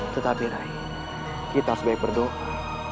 tetapi rai kita harus baik baik berdoa